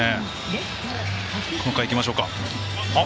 この回、いきましょうか。